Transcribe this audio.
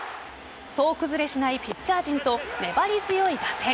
総崩れしないピッチャー陣と粘り強い打線。